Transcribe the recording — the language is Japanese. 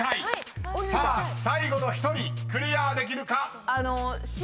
［さあ最後の１人クリアできるか？］